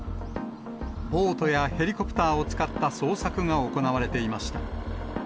ボートやヘリコプターを使った捜索が行われていました。